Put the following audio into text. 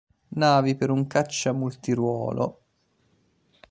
Navy per un caccia multiruolo.